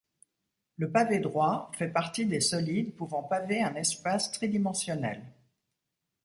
Le pavé droit fait partie des solides pouvant paver un espace tridimensionnel.